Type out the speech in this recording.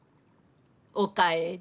お帰り。